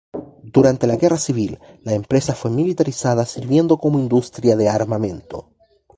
Durante la Guerra Civil, la empresa fue militarizada sirviendo como industria de armamento.